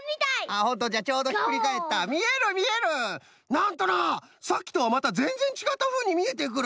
なんとなさっきとはまたぜんぜんちがったふうにみえてくる。